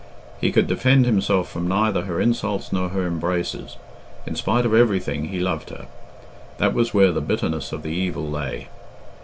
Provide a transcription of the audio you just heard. He could defend himself from neither her insults nor her embraces. In spite of everything he loved her. That was where the bitterness of the evil lay.